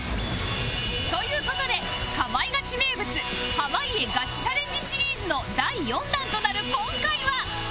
という事で『かまいガチ』名物濱家ガチチャレンジシリーズの第４弾となる今回は